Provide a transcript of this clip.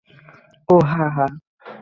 ওহ হ্যাঁ, হ্যাঁ।